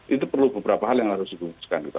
itu perlu beberapa hal yang harus diperhatikan gitu ya